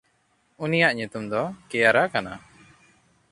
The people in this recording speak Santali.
ᱩᱱᱤᱭᱟᱜ ᱧᱩᱛᱩᱢ ᱫᱚ ᱠᱮᱭᱟᱨᱟ ᱠᱟᱱᱟ᱾